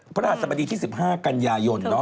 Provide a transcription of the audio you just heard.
พระหัสสมดีที่๑๕กันยายน